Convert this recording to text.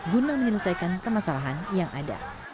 guna menyelesaikan permasalahan yang ada